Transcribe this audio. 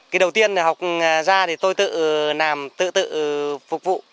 cái đầu tiên học ra thì tôi tự làm tự tự phục vụ